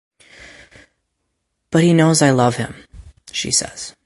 But he knows I love him, she says.